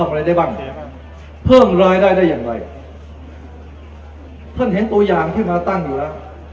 อะไรได้บ้างเพิ่มรายได้ได้อย่างไรท่านเห็นตัวอย่างขึ้นมาตั้งอยู่แล้ว